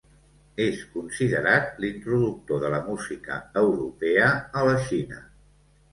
És considerat l'introductor de la música europea a la Xina.